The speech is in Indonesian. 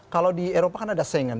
kalau di eropa kan ada sengan